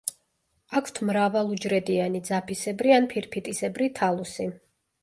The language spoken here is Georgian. აქვთ მრავალუჯრედიანი, ძაფისებრი ან ფირფიტისებრი თალუსი.